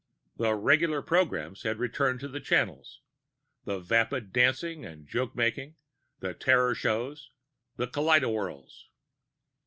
The regular programs had returned to the channels the vapid dancing and joke making, the terror shows, the kaleidowhirls.